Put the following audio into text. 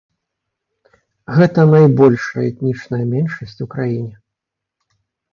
Гэта найбольшая этнічная меншасць у краіне.